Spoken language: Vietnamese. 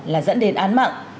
là dẫn đến án mạng